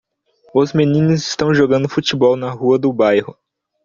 Os meninos estão jogando futebol na rua do bairro.